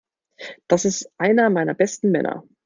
Das ist einer meiner besten Männer.